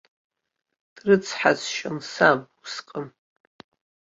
Дрыцҳасшьон саб усҟан.